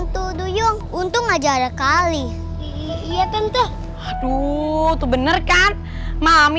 tunggu tunggu tunggu